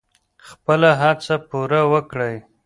خپله هڅه پوره وکړئ.